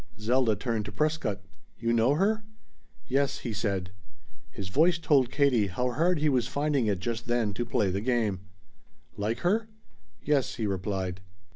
Zelda turned to Prescott. "You know her?" "Yes," he said. His voice told Katie how hard he was finding it just then to play the game. "Like her?" "Yes," he replied.